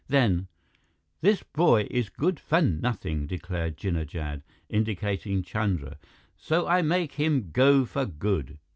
Then: "This boy is good for nothing," declared Jinnah Jad, indicating Chandra. "So I make him go for good.